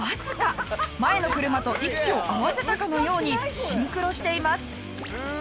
前の車と息を合わせたかのようにシンクロしています。